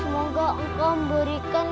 semoga engkau memberikan